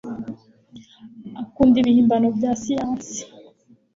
akunda ibihimbano bya siyansi